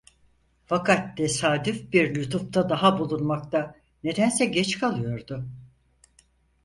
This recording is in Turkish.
Fakat tesadüf bir lütufta daha bulunmakta nedense geç kalıyordu.